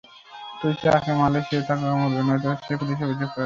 তুই তাকে মারলে, সেও তোকে মারবে, নয়তো সে পুলিশ অভিযোগ দায়ের করবে।